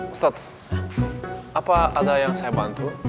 ustadz apa ada yang saya bantu